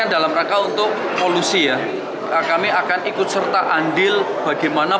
area yang bisa untuk melakukan pemeriksaan itu